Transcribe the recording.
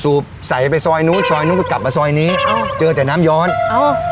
ใส่ไปซอยนู้นซอยนู้นก็กลับมาซอยนี้อ้าวเจอแต่น้ำย้อนเอ้า